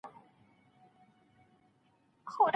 اوږده ډوډۍ ماڼۍ ته نه وه وړل سوې.